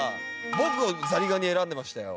僕ザリガニ選んでましたよ。